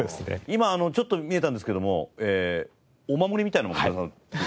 今ちょっと見えたんですけどもお守りみたいのも飾ってました。